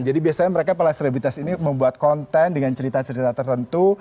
jadi biasanya mereka pada selebritas ini membuat konten dengan cerita cerita tertentu